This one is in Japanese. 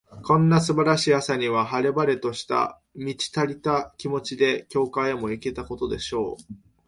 こんな素晴らしい朝には、晴れ晴れとした、満ち足りた気持ちで、教会へも行けたことでしょう。